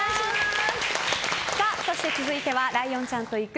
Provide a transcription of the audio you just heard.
そして続いてはライオンちゃんと行く！